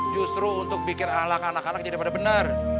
justru untuk bikin ahlak anak anak jadi pada benar